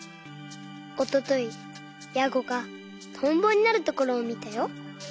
おとといヤゴがトンボになるところをみたよ。